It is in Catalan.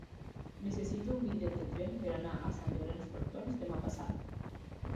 Necessito un bitllet de tren per anar a Sant Llorenç d'Hortons demà passat.